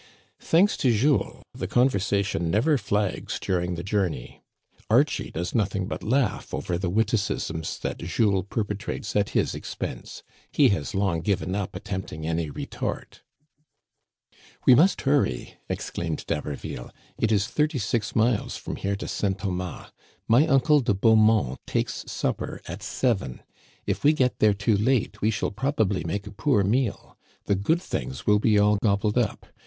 Thanks to Jules, the conversation never flags during the journey. Archie does nothing but laugh over the witticisms that Jules perpetrates at his expense. He has long given up attempting any retort. " We must hurry," exclaimed D'Haberville ;it is thirty six miles from here to St. Thomas. My uncle De Beaumont takes supper at seven. If we get there too late, we shall probably make a poor meal. The good things will be all gobbled up.